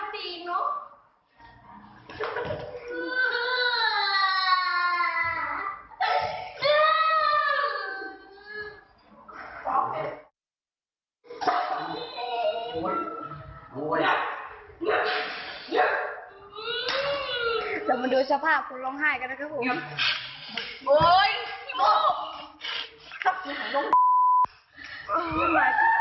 เดี๋ยวมาดูสภาพคนร้องไห้กันนะครับผม